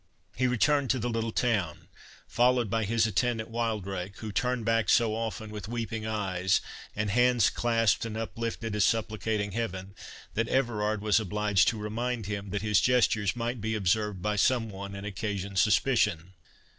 He returned to the little town, followed by his attendant Wildrake, who turned back so often, with weeping eyes, and hands clasped and uplifted as supplicating Heaven, that Everard was obliged to remind him that his gestures might be observed by some one, and occasion suspicion.